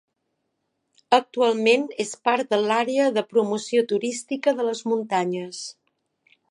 Actualment és part de l'Àrea de promoció turística de les muntanyes.